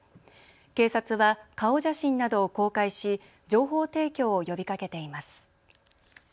警察は顔写真などを公開し情報提供を呼びかけています。